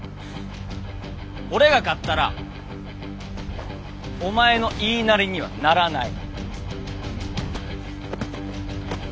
俺が勝ったらお前の言いなりにはならない。